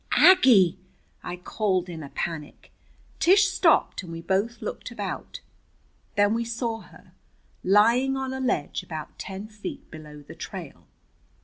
"Aggie!" I called in a panic. Tish stopped, and we both looked about. Then we saw her, lying on a ledge about ten feet below the trail.